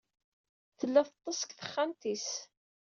Tella teṭṭes deg texxamt-is.